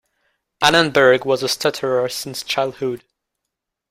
Annenberg was a stutterer since childhood.